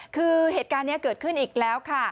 คือเหตุการณ์นี้เกิดขึ้นอีกแล้วค่ะ